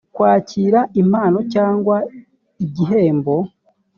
kwakira impano cyangwa igihembo